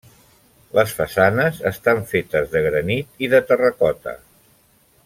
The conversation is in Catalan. Les façanes estan fetes de granit i de terracota.